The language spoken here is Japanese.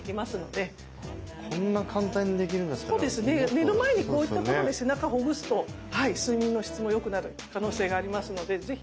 寝る前にこういったことで背中ほぐすと睡眠の質も良くなる可能性がありますので是非試して頂ければと思います。